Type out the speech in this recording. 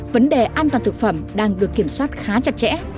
vấn đề an toàn thực phẩm đang được kiểm soát khá chặt chẽ